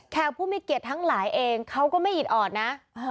ผู้มีเกียรติทั้งหลายเองเขาก็ไม่อิดออดนะ